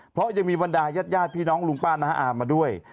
เพราะยังมีบรรดายาดพี่น้องลุงป้าน้าอามมาด้วย